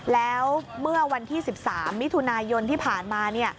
แล้วเมื่อวันที่๑๓มิถุนายนที่ผ่านมา